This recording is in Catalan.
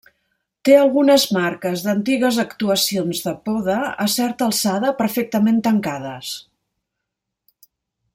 Té algunes marques d'antigues actuacions de poda a certa alçada perfectament tancades.